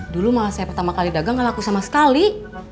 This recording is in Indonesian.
dulu malah saya pertama kali dagang gak laku sama sekali